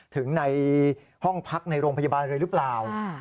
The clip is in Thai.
ถึงในห้องพักในโรงพยาบาลเลยหรือเปล่า